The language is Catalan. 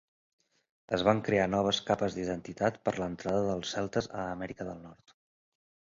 Es van crear noves capes d'identitat per l'entrada dels celtes a Amèrica del Nord.